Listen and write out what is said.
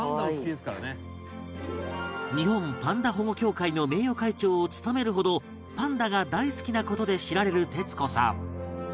日本パンダ保護協会の名誉会長を務めるほどパンダが大好きな事で知られる徹子さん